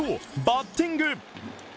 バッティング。